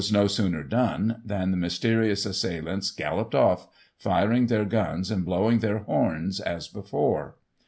20I no sooner done than the mysterious assailants galloped off, firing their guns, and blowing their horns, as before.